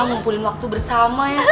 ngumpulin waktu bersama ya